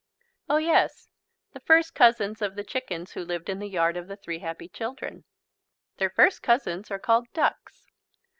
Oh yes, the first cousins of the chickens who lived in the yard of the three happy children. Their first cousins are called ducks.